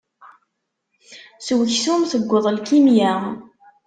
S uksum teggeḍ lkimya.